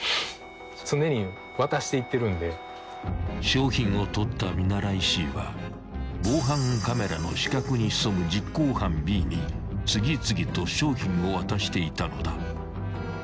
［商品を取った見習いＣは防犯カメラの死角に潜む実行犯Ｂに次々と商品を渡していたのだ］